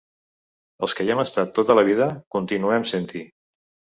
Els que hi hem estat tota la vida, continuem sent-hi.